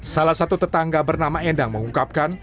salah satu tetangga bernama endang mengungkapkan